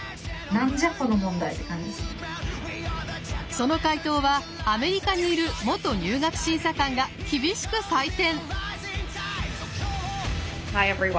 その解答はアメリカにいる元入学審査官が厳しく採点！